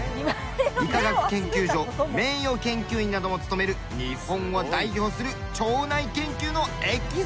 理化学研究所名誉研究員なども務める日本を代表する腸内研究のエキスパート。